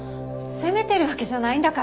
責めてるわけじゃないんだから。